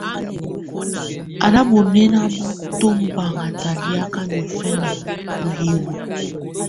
Á ná bunɛ́na bú tɔbaŋá talakɛ̀á niɔ̀fǝna ù hiwǝ́.